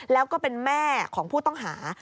แล้วก็เป็นแม่ของผู้ต้องหา